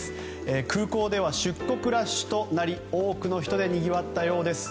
空港では出国ラッシュとなり多くの人でにぎわったようです。